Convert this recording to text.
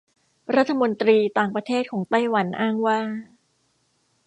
รัฐมนตรีต่างประเทศของไต้หวันอ้างว่า